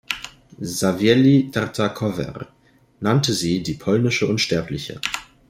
Savielly Tartakower nannte sie die "Polnische Unsterbliche".